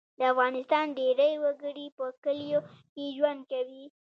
د افغانستان ډیری وګړي په کلیو کې ژوند کوي